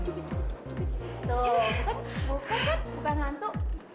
tuh bukan bukan kan bukan hantu